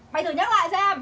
mày thử nhắc lại xem